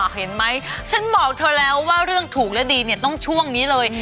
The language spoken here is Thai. เห็นไหมฉันบอกเธอแล้วว่าเรื่องถูกและดีเนี่ยต้องช่วงนี้เลย